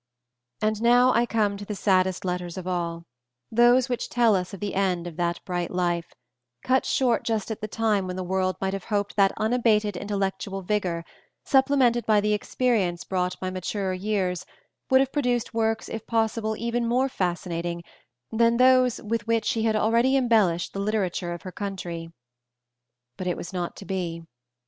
And now I come to the saddest letters of all, those which tell us of the end of that bright life, cut short just at the time when the world might have hoped that unabated intellectual vigor, supplemented by the experience brought by maturer years, would have produced works if possible even more fascinating than those with which she had already embellished the literature of her country. But it was not to be.